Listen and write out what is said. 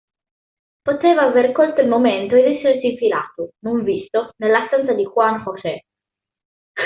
Poteva aver colto il momento ed essersi infilato, non visto, nella stanza di Juan José.